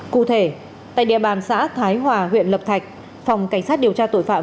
cụ thể tại địa bàn xã thái hòa huyện lập thạch phòng cảnh sát điều tra tội phạm